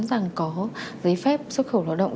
rằng có giấy phép xuất khẩu lao động